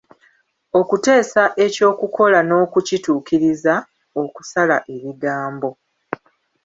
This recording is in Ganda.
Okuteesa eky'okukola n'okukituukiriza, okusala ebigambo.